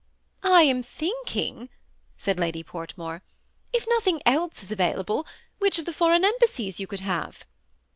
" I am thinking," said Lady Portmore, if nothing ^Ise is available, which of the foreign embassies you could have?"